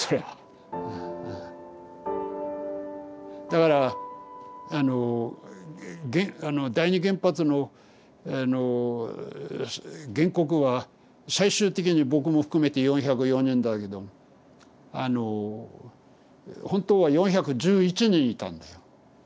だからあの第二原発の原告は最終的に僕も含めて４０４人だけどあの本当は４１１人いたんです。